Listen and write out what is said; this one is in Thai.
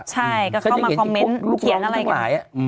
ใช่ก็เข้ามาคอมเม้นต์เขียนอะไรกัน